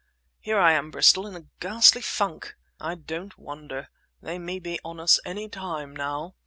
"Here I am, Bristol, in a ghastly funk!" "I don't wonder! They may be on us any time now.